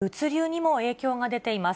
そして物流にも影響が出ています。